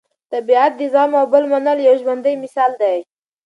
طبیعت د زغم او بل منلو یو ژوندی مثال دی.